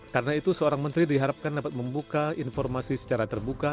karena itu seorang menteri diharapkan dapat membuka informasi secara terbuka